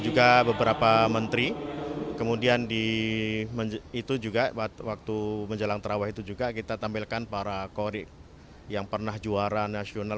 juga waktu menjelang terawah itu juga kita tampilkan para kori yang pernah juara nasional